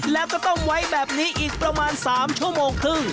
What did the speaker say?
แล้วก็ต้องไว้แบบนี้อีกประมาณ๓ชั่วโมงครึ่ง